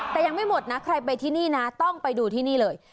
แต่ยังไม่หมดนะใครไปที่นี่นะต้องไปดูที่นี่เลย